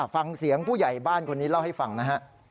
ฟังเสียงผู้ใหญ่บ้านคนนี้เล่าให้ฟังนะฮะ